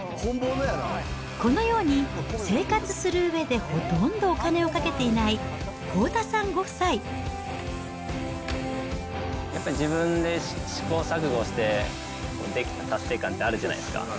このように生活するうえでほとんどお金をかけてない幸田さんご夫やっぱり自分で試行錯誤して、できた達成感ってあるじゃないですか。